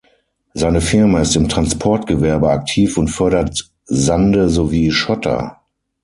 Seine Firma ist im Transportgewerbe aktiv und fördert Sande sowie Schotter.